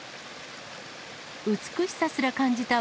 美しさすら感じた